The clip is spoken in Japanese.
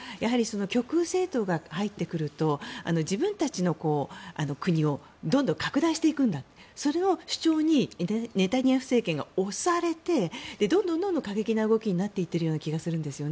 極右政党が入ってくると自分たちの国をどんどん拡大していくんだとその主張にネタニヤフ政権が押されてどんどん過激な動きになっている気がするんです。